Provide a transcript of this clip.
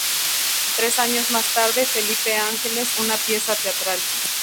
Tres años más tarde, "Felipe Ángeles", una pieza teatral.